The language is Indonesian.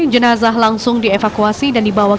jenazah langsung dievakuasi dan dibawa